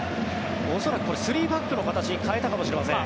恐らく３バックの形に変えたかもしれません。